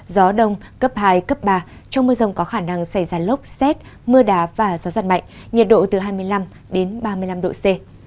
gió đông cấp hai cấp ba trong mưa rông có khả năng xảy ra lốc xét mưa đá và gió giật mạnh nhiệt độ từ hai mươi năm đến ba mươi năm độ c